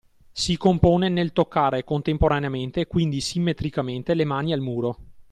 Si compone nel toccare contemporaneamente, quindi simmetricamente, le mani al muro